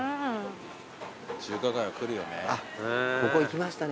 中華街は来るよね。